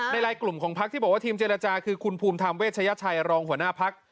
ลายกลุ่มของพักที่บอกว่าทีมเจรจาคือคุณภูมิธรรมเวชยชัยรองหัวหน้าพัก